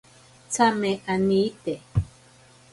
Tsame anite.